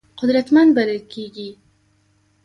قدرتمند بلل کېږي.